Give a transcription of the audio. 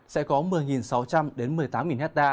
sẽ có một mươi sáu trăm linh một mươi tám hectare